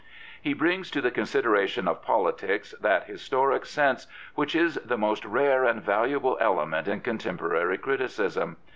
He brings to the consideration of politics that historic sense which is the most rare and valuable element in contemporary criticism.